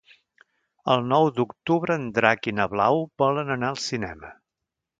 El nou d'octubre en Drac i na Blau volen anar al cinema.